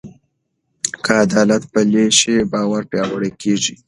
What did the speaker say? که عدالت پلی شي، باور پیاوړی کېږي.